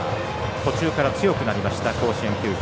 途中から強くなりました甲子園球場。